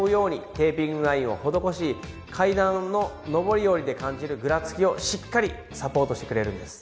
テーピングラインを施し階段の上り下りで感じるぐらつきをしっかりサポートしてくれるんです。